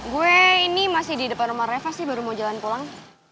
gue ini masih di depan rumah reva sih baru mau jalan pulang